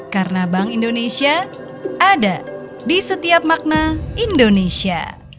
karena bank indonesia ada di setiap makna indonesia